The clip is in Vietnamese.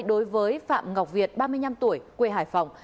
đối với phạm ngọc việt ba mươi năm tuổi quê hải phòng